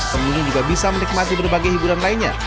pengunjung juga bisa menikmati berbagai hiburan lainnya